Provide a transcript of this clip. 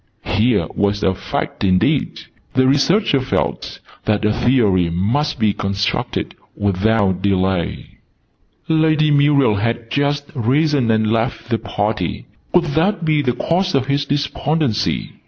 Here was a Fact indeed! The Researcher felt that a Theory must be constructed without delay. Lady Muriel had just risen and left the party. Could that be the cause of his despondency?